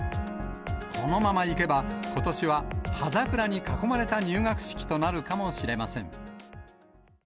このままいけば、ことしは葉桜に囲まれた入学式となるかもしれません。